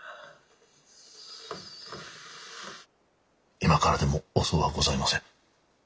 今からでも遅うはございません。